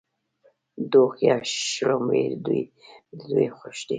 دوغ یا شړومبې د دوی خوښ دي.